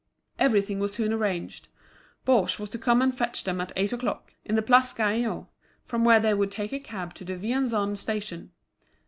Everything was soon arranged. Baugé was to come and fetch them at eight o'clock, in the Place Gaillon; from there they would take a cab to the Vincennes Station.